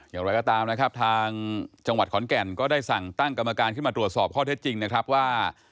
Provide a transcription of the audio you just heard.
อย่างไรก็ตามนะครับทางจังหวัดขอนแก่นก็ได้สั่งตั้งกรรมการขึ้นมาตรวจสอบข้อเท็จจริงนะครับว่า